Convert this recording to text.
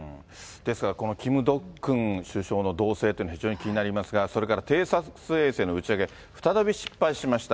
ですからこのキム・ドックン首相の動静というのは非常に気になりますが、それから偵察衛星の打ち上げ、再び失敗しました。